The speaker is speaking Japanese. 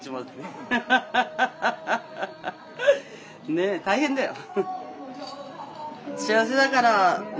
ねえ大変だよ。